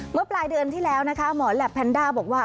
เมื่อปลายเดือนที่แล้วนะคะหมอแหลปแพนด้าบอกว่า